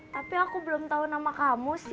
tapi aku belum tahu nama kamu sih